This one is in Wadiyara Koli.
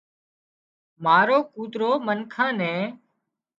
مارو ڪوترو منکان نين